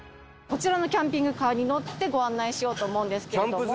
こちらのキャンピングカーに乗ってご案内しようと思うんですけれども。